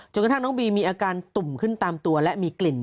กระทั่งน้องบีมีอาการตุ่มขึ้นตามตัวและมีกลิ่น